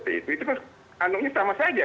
itu kan andungnya sama saja